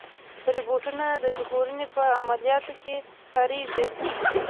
روبوټونه د ژغورنې په عملیاتو کې کارېږي.